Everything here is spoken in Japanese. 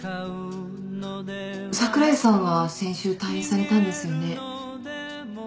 櫻井さんは先週退院されたんですよね？